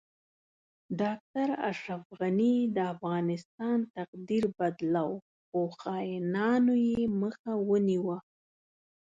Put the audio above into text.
ډاکټر اشرف غنی د افغانستان تقدیر بدلو خو خاینانو یی مخه ونیوه